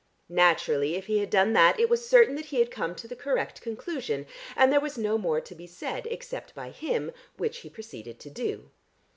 Naturally if he had done that it was certain that he had come to the correct conclusion, and there was no more to be said except by him (which he proceeded to do).